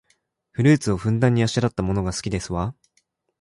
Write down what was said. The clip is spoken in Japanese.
フルーツをふんだんにあしらったものが好きですわ